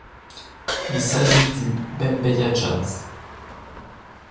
Il s'agit du Bembeya Jazz.